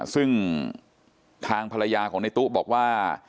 ซึ่งทางภรรยาของในตู้บอกว่า